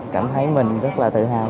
cảm thấy mình rất là tự hào